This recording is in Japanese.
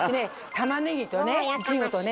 たまねぎとねいちごとね